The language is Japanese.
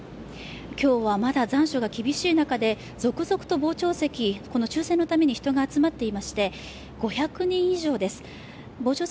今日はまだ残暑が厳しい中で、続々と傍聴席、この抽選のために人が集まっていまして５００人以上です。